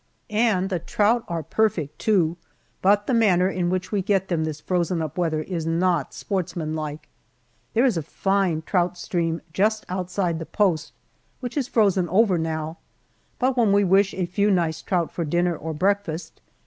And the trout are perfect, too, but the manner in which we get them this frozen up weather is not sportsmanlike. There is a fine trout stream just outside the post which is frozen over now, but when we wish a few nice trout for dinner or breakfast.